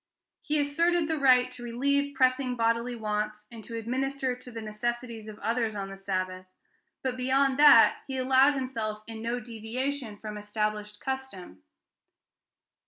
He asserted the right to relieve pressing bodily wants, and to administer to the necessities of others on the Sabbath, but beyond that he allowed himself in no deviation from established custom."